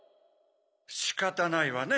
しかたないわね